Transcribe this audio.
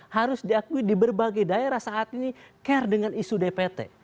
harus diakui di berbagai daerah saat ini care dengan isu dpt